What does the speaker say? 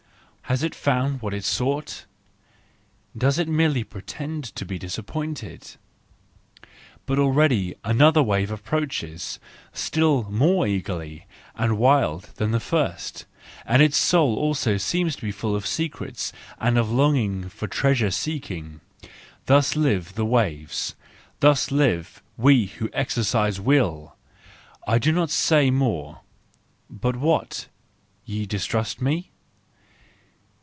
Has it found what it sought? Does it merely pretend to be disappointed ?—But already another wave approaches, still more eager and wild than the first, and its soul also seems to be full of secrets and of longing for treasure seeking. Thus live the waves,—thus live we who exercise will!—I do not say more.—But what! Ye distrust me?